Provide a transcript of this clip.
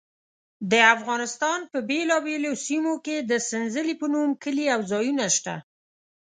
د افغانستان په بېلابېلو سیمو کې د سنځلې په نوم کلي او ځایونه شته.